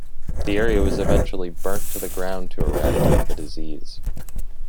The area was eventually burnt to the ground to eradicate the disease.